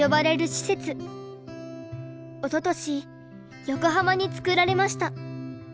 おととし横浜に作られました。